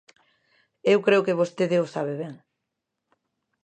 Eu creo que vostede o sabe ben.